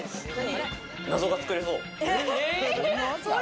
謎がつくれそう。